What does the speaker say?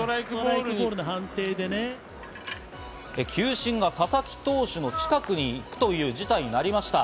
球審が佐々木投手の近くに行くという事態になりました。